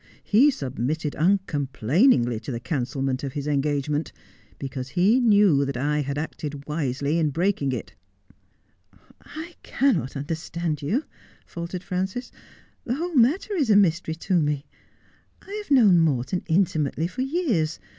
He submitted uncomplainingly to the cancelment of his engagement, because he knew that I had acted wisely in breaking it.' ' I cannot understand you,' faltered Frances. ' The whole matter is a mystery to me. I have known Morton intimately for years.